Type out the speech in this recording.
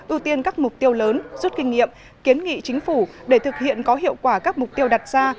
ưu tiên các mục tiêu lớn rút kinh nghiệm kiến nghị chính phủ để thực hiện có hiệu quả các mục tiêu đặt ra